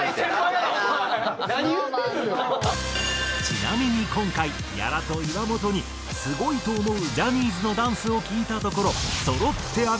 ちなみに今回屋良と岩本にすごいと思うジャニーズのダンスを聞いたところ。